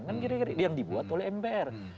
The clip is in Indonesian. kan kira kira yang dibuat oleh mpr